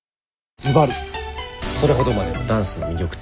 ずばりそれほどまでのダンスの魅力とは？